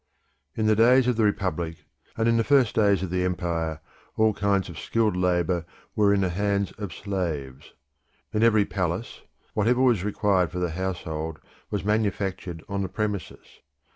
In the days of the Republic and in the first days of the Empire, all kinds of skilled labour were in the hands of slaves: in every palace, whatever was required for the household was manufactured on the premises.